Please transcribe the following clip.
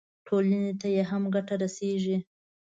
ټولنې ته یې هم ګټه رسېږي.